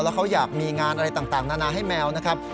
แล้วเขาอยากมีงานอะไรต่างนานาให้แมวนะครับ